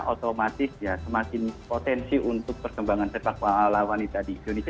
otomatis ya semakin potensi untuk perkembangan sepak bola ala wanita di indonesia